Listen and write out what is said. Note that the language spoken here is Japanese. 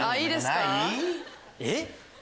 えっ？